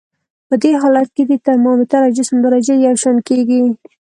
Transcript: په دې حالت کې د ترمامتر او جسم درجه یو شان کیږي.